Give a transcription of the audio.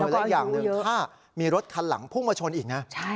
และอีกอย่างหนึ่งถ้ามีรถคันหลังพุ่งมาชนอีกนะ